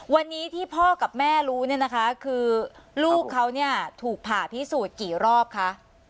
วันนี้ที่พ่อกับแม่รู้เนี่ยนะคะคือลูกเขาเนี่ยถูกผ่าพิสูจน์กี่รอบคะ